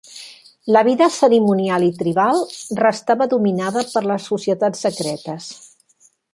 La vida cerimonial i tribal restava dominada per les societats secretes.